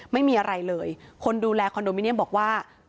ไม่มีอะไรเลยคนดูแลคอนโดมิเนียมบอกว่า